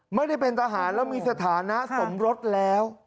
ไม่ได้เป็นทหารแล้วมีสถานะสมรสแล้ว